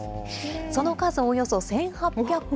その数およそ１８００個。